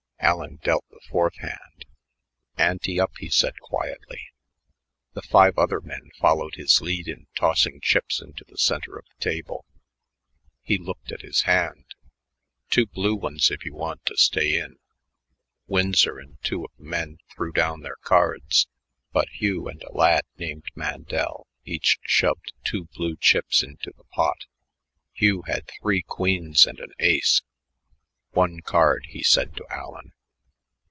Allen dealt the fourth hand. "Ante up," he said quietly. The five other men followed his lead in tossing chips into the center of the table. He looked at his hand. "Two blue ones if you want to stay in." Winsor and two of the men threw down their cards, but Hugh and a lad named Mandel each shoved two blue chips into the pot. Hugh had three queens and an ace. "One card," he said to Allen.